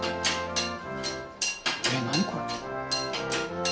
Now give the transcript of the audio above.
ええ何これ？